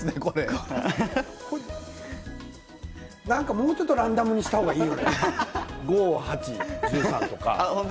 もうちょっとランダムにした方がいいよ。